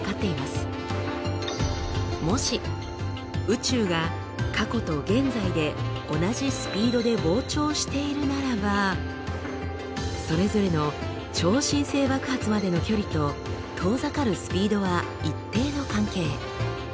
もし宇宙が過去と現在で同じスピードで膨張しているならばそれぞれの超新星爆発までの距離と遠ざかるスピードは一定の関係。